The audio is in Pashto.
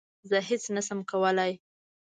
زه هیڅ نه شم کولای